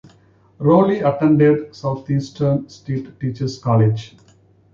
Rollie attended Southeastern State Teachers College.